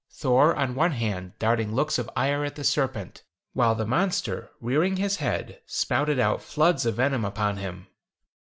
Thor, on one hand, darting looks of ire on the serpent, whilst the monster, rearing his head, spouted out floods of venom upon him.